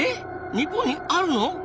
日本にあるの？